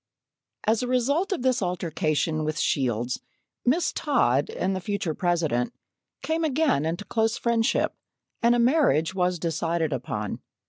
As a result of this altercation with Shields, Miss Todd and the future President came again into close friendship, and a marriage was decided upon.